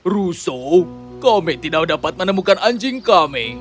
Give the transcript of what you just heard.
russo kami tidak dapat menemukan anjing kami